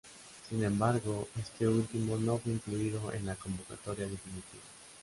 Sin embargo este último no fue incluido en la convocatoria definitiva.